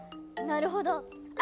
なるほど。